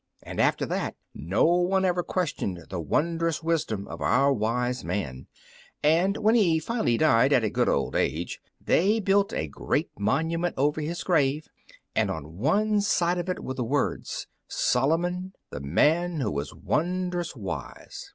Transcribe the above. And after that no one ever questioned the wond'rous wisdom of our wise man, and when he finally died, at a good old age, they built a great monument over his grave, and on one side of it were the words, "Solomon; the Man who was Wond'rous Wise."